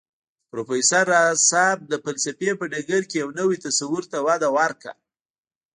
پروفېسر راز صيب د فلسفې په ډګر کې يو نوي تصور ته وده ورکړه